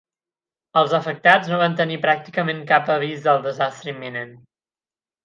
Els afectats no van tenir pràcticament cap avís del desastre imminent.